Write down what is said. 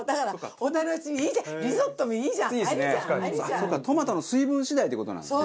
そうかトマトの水分次第っていう事なんですね。